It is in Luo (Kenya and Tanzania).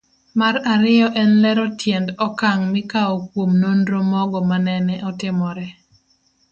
Mar ariyo en lero tiend okang' mikawo kuom nonro mogo manene otimore